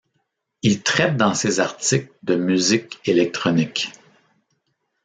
Il traite dans ses articles de musique électronique.